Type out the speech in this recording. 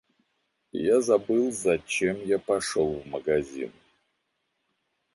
Я забыл, зачем я пошёл в магазин.